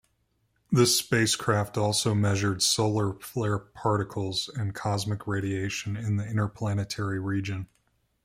The spacecraft also measured solar flare particles, and cosmic radiation in the interplanetary region.